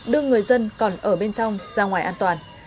đưa người dân còn ở bên trong ra ngoài an toàn